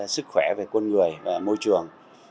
sức khỏe về con người môi trường